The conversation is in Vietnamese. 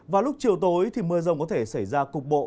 vào lúc chiều tối thì mưa rông có thể xảy ra cục bộ